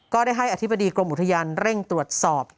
ก็ได้ให้อธิบดีกรมอุทยานเร่งตรวจสอบ